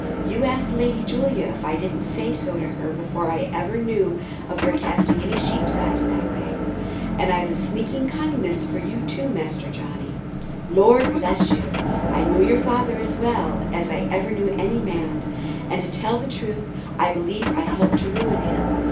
You ask Lady Julia if I didn't say so to her before I ever knew of your casting a sheep's eye that way. And I've a sneaking kindness for you too, Master Johnny. Lord bless you, I knew your father as well as I ever knew any man; and to tell the truth, I believe I helped to ruin him.